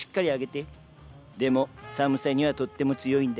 でも寒さにはとっても強いんだ。